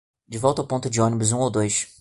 De volta ao ponto de ônibus um ou dois